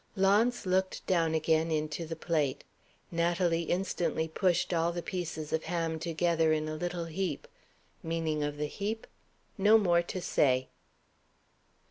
Launce looked down again into the plate. Natalie instantly pushed all the pieces of ham together in a little heap (meaning of the heap, "No more to say").